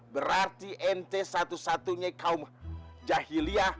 berarti ente satu satunya kaum jahiliah